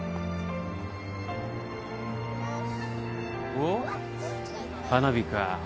おっ花火か。